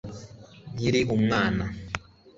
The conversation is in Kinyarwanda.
nkiri umwana